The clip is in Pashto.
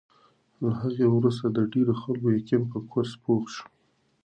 له هغې وروسته د ډېرو خلکو یقین په کورس پوخ شو.